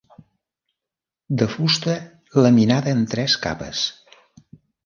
De fusta laminada en tres capes.